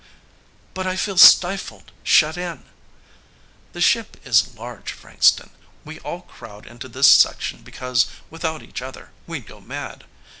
"But I feel stifled, shut in!" "The ship is large, Frankston. We all crowd into this section because, without each other, we'd go mad."